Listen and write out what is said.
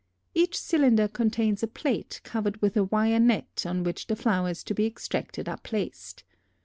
Each cylinder contains a plate covered with a wire net on which the flowers to be extracted are placed.